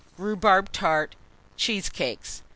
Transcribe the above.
Rhubarb tart, cheesecakes.